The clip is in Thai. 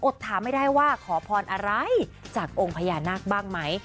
ถามไม่ได้ว่าขอพรอะไรจากองค์พญานาคบ้างไหม